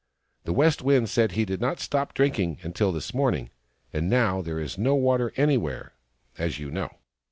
The West Wind says he did not stop drinking until this morning — and now there is no water anywhere, as you know."